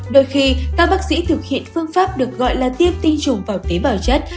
đôi khi các bác sĩ thực hiện phương pháp được gọi là tiêm tinh trùng vào tế bào chất